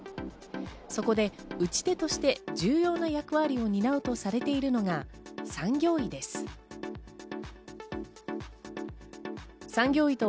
そこで打ち手として重要な役割を担うとされているのが産業医です。